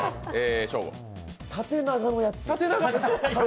縦長のやつ。